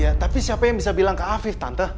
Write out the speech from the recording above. ya tapi siapa yang bisa bilang ke afif tante